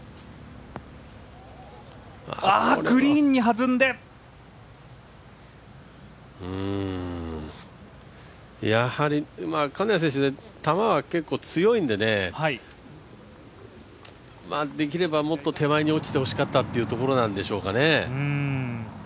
グリーンに弾んでやはり金谷選手、球は結構強いんでね、できればもっと手前に落ちてほしかったというところなんでしょうかね。